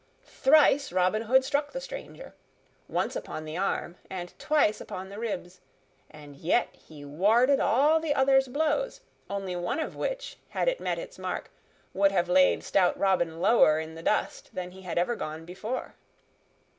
Thrice Robin Hood struck the stranger; once upon the arm and twice upon the ribs, and yet had he warded all the other's blows, only one of which, had it met its mark, would have laid stout Robin lower in the dust than he had ever gone before.